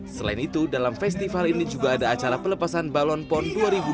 selain itu dalam festival ini juga ada acara pelepasan balon pon dua ribu dua puluh